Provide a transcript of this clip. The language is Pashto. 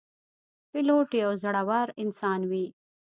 پیلوټ یو زړهور انسان وي.